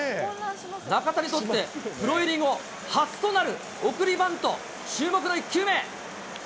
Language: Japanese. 中田にとって、プロ入り後初となる送りバント、注目の１球目。